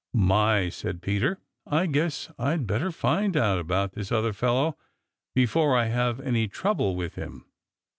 "My," said Peter, "I guess I'd better find out all about this other fellow before I have any trouble with him.